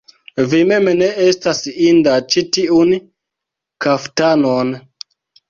Vi mem ne estas inda ĉi tiun kaftanon!